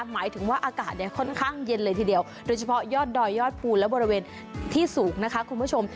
หมายถึงว่าอากาศเนี่ยค่อนข้างเย็นเลยทีเดียวโดยเฉพาะยอดดอยยอดภูและบริเวณที่สูงนะคะคุณผู้ชม